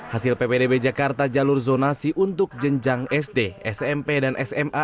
hasil ppdb jakarta jalur zonasi untuk jenjang sd smp dan sma